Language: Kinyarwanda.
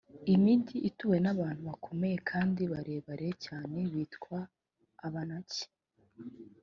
imigi ituwe n’abantu bakomeye kandi barebare cyane, bitwa abanaki.